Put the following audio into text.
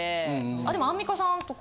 あでもアンミカさんとか。